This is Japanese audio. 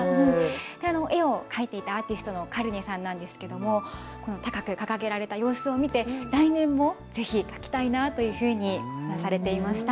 絵を描いていたアーティストのカリネさんなんですけれども高く掲げられた様子を見て来年もぜひ描きたいなというふうに話されていました。